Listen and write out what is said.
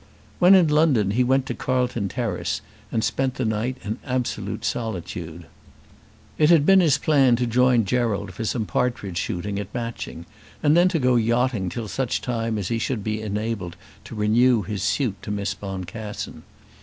When in London he went to Carlton Terrace and spent the night in absolute solitude. It had been his plan to join Gerald for some partridge shooting at Matching, and then to go yachting till such time as he should be enabled to renew his suit to Miss Boncassen.